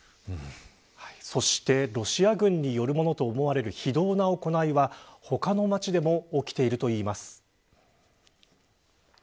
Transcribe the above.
そして、ロシア軍によるものと思われる非道な行いは他の町でも起きているといいます。